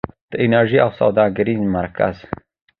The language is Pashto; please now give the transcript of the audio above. د انرژۍ او سوداګرۍ مرکز.